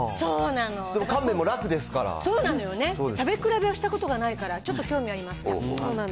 でも乾麺も楽ですから、食べ比べをしたことがないから、ちょっと興味あります。